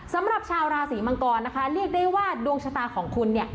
สำหรับชาวราศีมังกรนะคะเรียกได้ว่าดวงชะตาของคุณเนี่ย